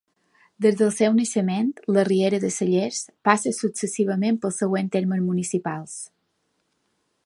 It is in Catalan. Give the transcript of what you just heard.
Des del seu naixement, la Riera de Cellers passa successivament pels següents termes municipals.